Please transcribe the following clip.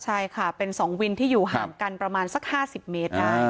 ใช่ค่ะเป็น๒วินที่อยู่ห่างกันประมาณสัก๕๐เมตรได้